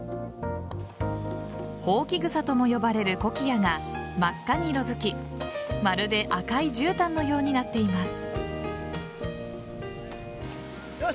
ホウキグサとも呼ばれるコキアが真っ赤に色付きまるで赤いじゅうたんのようになっています。